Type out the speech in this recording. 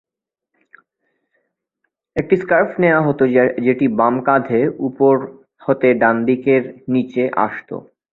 একটি স্কার্ফ নেয়া হতো যেটি বাম কাঁধে উপর হতে ডান দিকের নিচে আসতো।